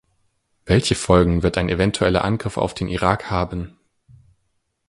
Welche Folgen wird ein eventueller Angriff auf den Irak haben?